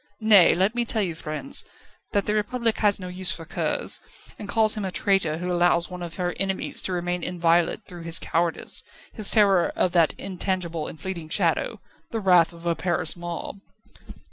Nay; let me tell you, friends, that the Republic has no use for curs, and calls him a traitor who allows one of her enemies to remain inviolate through his cowardice, his terror of that intangible and fleeting shadow the wrath of a Paris mob."